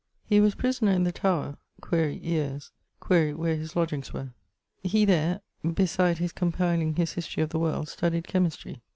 _> He was prisoner in the Tower ... (quaere) yeares; quaere where his lodgeings were? He there (besides his compiling his History of the World) studyed chymistry.